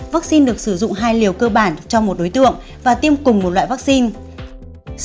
vaccine được sử dụng hai liều cơ bản cho một đối tượng và tiêm cùng một loại vaccine